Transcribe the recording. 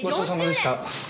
ごちそうさまでした。